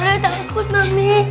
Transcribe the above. zara takut mami